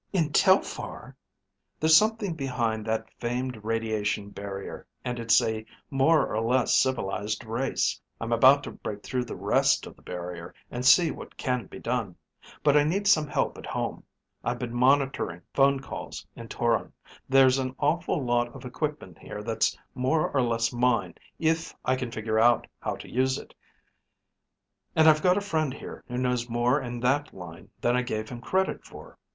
"In Telphar?" "There's something behind that famed radiation barrier, and it's a more or less civilized race. I'm about to break through the rest of the barrier and see what can be done. But I need some help at home. I've been monitoring phone calls in Toron. There's an awful lot of equipment here that's more or less mine if I can figure out how to use it. And I've got a friend here who knows more in that line than I gave him credit for.